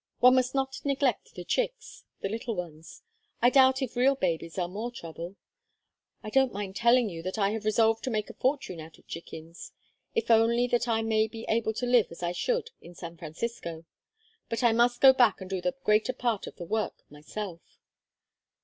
One must not neglect the chicks the little ones. I doubt if real babies are more trouble. I don't mind telling you that I have resolved to make a fortune out of chickens, if only that I may be able to live as I should in San Francisco. But I must go back and do the greater part of the work myself."